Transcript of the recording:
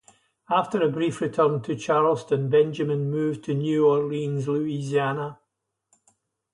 After a brief return to Charleston, Benjamin moved to New Orleans, Louisiana.